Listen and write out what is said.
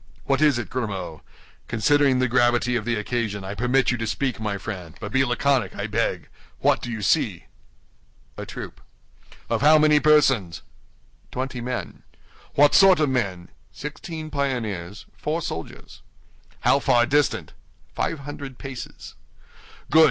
What is it, Grimaud? Considering the gravity of the occasion, I permit you to speak, my friend; but be laconic, I beg. What do you see?" "A troop." "Of how many persons?" "Twenty men." "What sort of men?" "Sixteen pioneers, four soldiers." "How far distant?" "Five hundred paces." "Good!